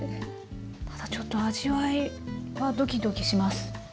ただちょっと味わいはどきどきします。